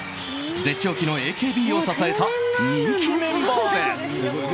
絶頂期のＡＫＢを支えた人気メンバーです。